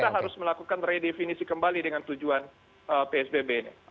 kita harus melakukan redefinisi kembali dengan tujuan psbb ini